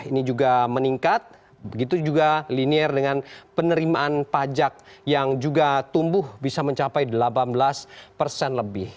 ini juga meningkat begitu juga linear dengan penerimaan pajak yang juga tumbuh bisa mencapai delapan belas persen lebih